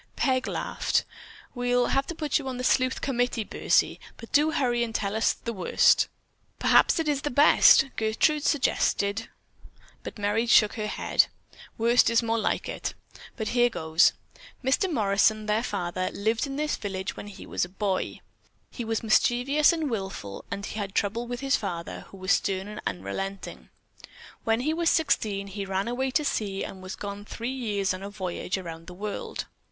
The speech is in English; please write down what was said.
Peg laughed. "We'll have to put you on the sleuth committee, Bursie, but do hurry and tell us the worst." "Perhaps it's the best," Gertrude suggested, but Merry shook her head. "Worst is more like it. But here goes: Mr. Morrison, their father, lived in this village when he was a boy. He was mischievous and wilful and he had trouble with his father, who was stern and unrelenting. When he was sixteen he ran away to sea and was gone three years on a voyage around the world.